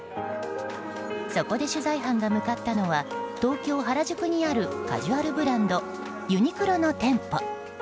そこで取材班が向かったのは東京・原宿にあるカジュアルブランドユニクロの店舗。